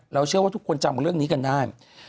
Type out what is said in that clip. เชื่อว่าทุกคนจำเรื่องนี้กันได้